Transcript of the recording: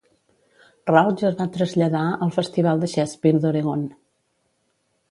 Rauch es va traslladar al Festival de Shakespeare d'Oregon.